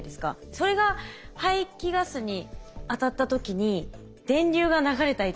それが排気ガスに当たった時に電流が流れたりとかするんですか？